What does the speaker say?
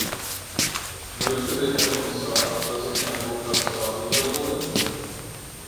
Möchte der Herr Kommissar, dass ich Herrn Rocards Frage wiederhole?